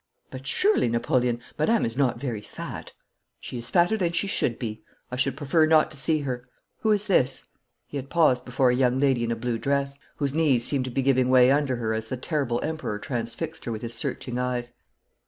'But surely, Napoleon, madame is not very fat.' 'She is fatter than she should be. I should prefer not to see her. Who is this?' He had paused before a young lady in a blue dress, whose knees seemed to be giving way under her as the terrible Emperor transfixed her with his searching eyes.